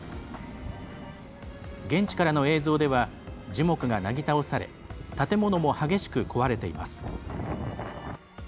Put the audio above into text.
現地からの映像では樹木がなぎ倒され建物も激しく壊れています。